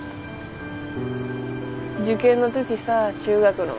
受験の時さ中学の。